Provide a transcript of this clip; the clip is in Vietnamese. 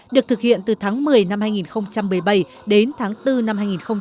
được thực hiện từ tháng một mươi năm hai nghìn một mươi bảy đến tháng bốn năm hai nghìn một mươi bảy